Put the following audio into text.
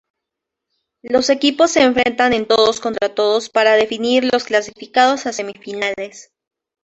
Los equipos se enfrentan en todos contra todos para definir los clasificados a semifinales.